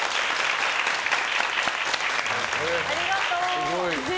ありがとう！